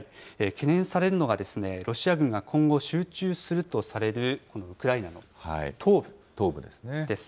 懸念されるのが、ロシア軍が今後、集中するとされるウクライナの東部です。